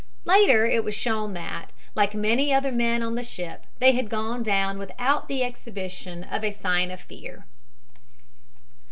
Later it was shown that, like many other men on the ship, they had gone down without the exhibition of a sign of fear.